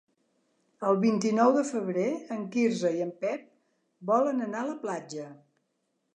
El vint-i-nou de febrer en Quirze i en Pep volen anar a la platja.